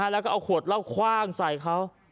และเอาขวดเหล้าขวางใส่เขา